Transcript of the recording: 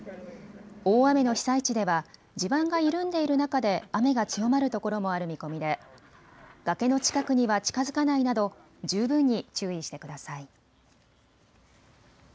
大雨の被災地では地盤が緩んでいる中で雨が強まるところもある見込みで崖の近くには近づかないなど十分に注意してください。